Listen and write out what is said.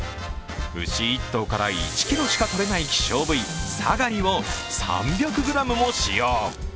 牛１頭から１ｋｇしかとれない希少部位、サガリを３００ｇも使用。